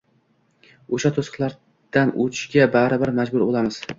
o‘sha to‘siqlardan o‘tishga baribir majbur bo‘lamiz.